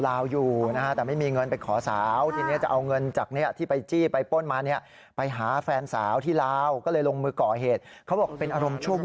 นั่นก็ตรงกับตอนแรกข้อมูลที่บอกว่าจะไปขอสาวลาวใช่ไหมล่ะ